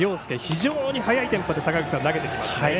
非常に速いテンポで投げてきますね。